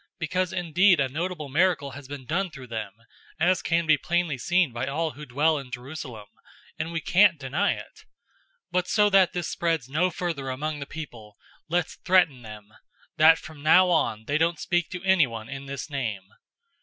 Because indeed a notable miracle has been done through them, as can be plainly seen by all who dwell in Jerusalem, and we can't deny it. 004:017 But so that this spreads no further among the people, let's threaten them, that from now on they don't speak to anyone in this name."